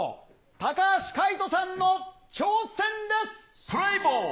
高橋海人さんの挑戦です。